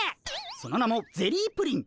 その名もゼリープリン。